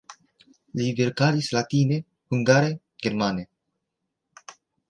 Li verkadis latine, hungare, germane.